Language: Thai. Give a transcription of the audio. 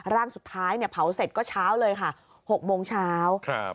ร่างสุดท้ายเนี่ยเผาเสร็จก็เช้าเลยค่ะ๖โมงเช้าครับ